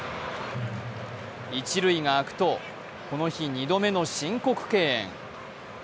一塁が空くと、この日、２度目の申告敬遠。